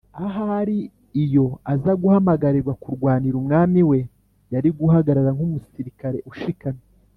ahari iyo aza guhamagarirwa kurwanira umwami we, yari guhagarara nk’umusirikare ushikamye;